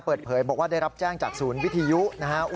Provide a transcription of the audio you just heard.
เปิดเผยบอกว่าได้รับแจ้งจากศูนย์วิทยุนะครับ